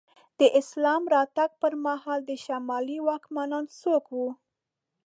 د اسلام راتګ پر مهال د شمالي واکمنان څوک وو؟